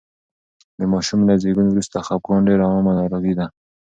د ماشوم له زېږون وروسته خپګان ډېره عامه ناروغي ده.